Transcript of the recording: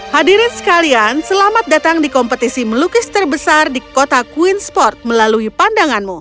hadirin sekalian selamat datang di kompetisi melukis terbesar di kota queensport melalui pandanganmu